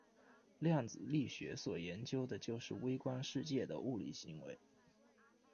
量子力学所研究的就是微观世界的物理行为。